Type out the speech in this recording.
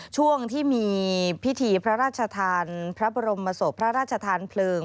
ช่วงที่มีพิธีพระราชทานพระบรมศพพระราชทานเพลิง